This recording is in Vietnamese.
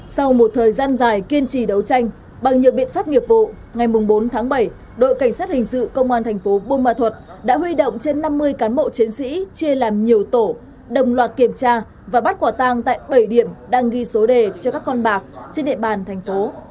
sau một thời gian dài kiên trì đấu tranh bằng nhiều biện pháp nghiệp vụ ngày bốn tháng bảy đội cảnh sát hình sự công an thành phố buôn ma thuật đã huy động trên năm mươi cán bộ chiến sĩ chia làm nhiều tổ đồng loạt kiểm tra và bắt quả tang tại bảy điểm đang ghi số đề cho các con bạc trên địa bàn thành phố